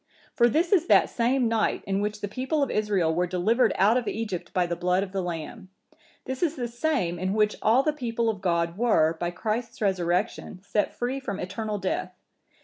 For this is that same night in which the people of Israel were delivered out of Egypt by the blood of the lamb; this is the same in which all the people of God were, by Christ's Resurrection, set free from eternal death.